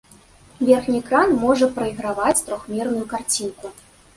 Верхні экран можа прайграваць трохмерную карцінку.